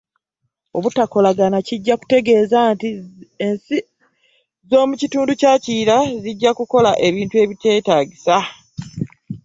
Obutakolagana kijja kutegeeza nti ensi z’omu Kitundu kya Kiyira zijja kukola ebintu ebyetaagisa.